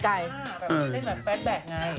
แบบเล่นแบบแบดแบดไง